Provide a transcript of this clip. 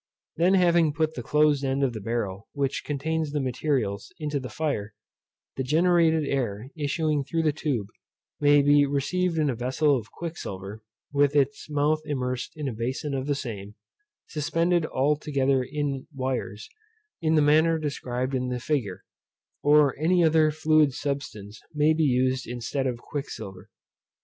Then having put the closed end of the barrel, which contains the materials, into the fire, the generated air, issuing through the tube, may be received in a vessel of quicksilver, with its mouth immersed in a bason of the same, suspended all together in wires, in the manner described in the figure: or any other fluid substance may be used instead of quicksilver.